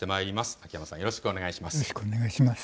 秋山さん、よろしくお願いします。